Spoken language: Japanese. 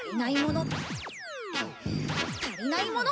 足りないもの。